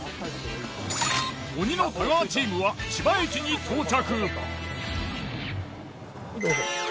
鬼の太川チームは千葉駅に到着。